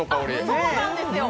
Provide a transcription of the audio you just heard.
そうなんですよ